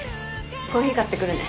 コーヒー買ってくるね。